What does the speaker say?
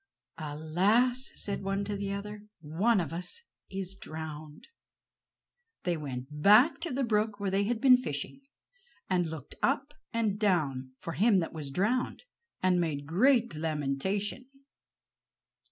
"Alas!" said one to another, "one of us is drowned." They went back to the brook where they had been fishing, and looked up and down for him that was drowned, and made great lamentation.